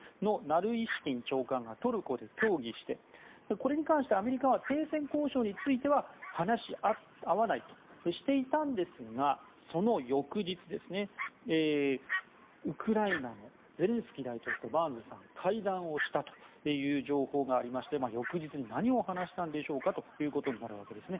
ナルイシキン長官がトルコで協議してこれに関してアメリカは停戦交渉については話し合わないとしていたんですがその翌日、ウクライナのゼレンスキー大統領とバーンズさんが会談をしたという情報がありまして翌日に何を話したんでしょうかということになるわけです。